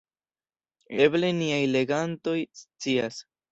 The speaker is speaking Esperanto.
Eble niaj legantoj scias.